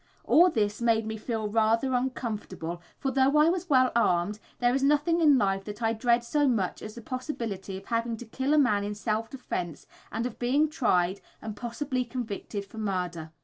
All this made me feel rather uncomfortable, for though I was well armed, there is nothing in life that I dread so much as the possibility of having to kill a man in self defence and of being tried, and possibly convicted, for murder.